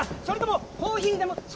それともコーヒーでも。